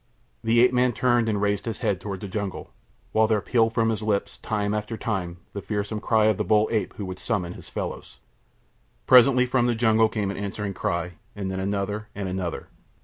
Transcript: The ape man turned and raised his head toward the jungle, while there pealed from his lips, time after time, the fearsome cry of the bull ape who would summon his fellows. Presently from the jungle came an answering cry, and then another and another.